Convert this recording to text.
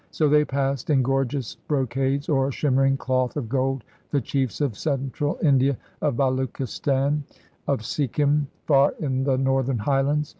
So they passed in gorgeous brocades or shimmering cloth 2S2> INDIA of gold, the chiefs of Central India, of Baluchistan, of Sikkim, far in the northern highlands.